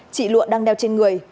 chị lụa đang đeo trên người